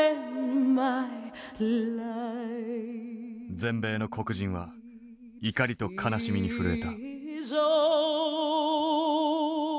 全米の黒人は怒りと悲しみに震えた。